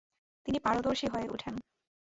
তিনি পারদর্শী হয়ে উঠেন।